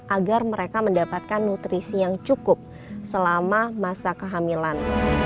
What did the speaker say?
agar mereka mendapatkan nutrisi yang cukup selama masa kehamilan